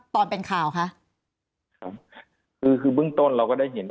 ตอนเป็นข่าวค่ะคือเบื้องต้นเราก็ได้เห็น